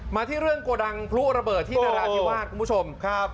มาที่เรื่องโกดังพลุระเบิดที่นราธิวาสคุณผู้ชมครับ